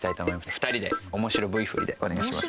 ２人で面白Ｖ振りでお願いします。